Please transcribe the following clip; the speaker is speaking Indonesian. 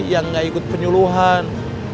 yang gak ikut penyuluhan